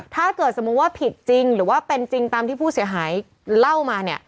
ถ้าเกิดสมมุติว่าผิดจริงหรือว่าเป็นจริงตามที่ผู้เสียหายเล่ามาเนี่ย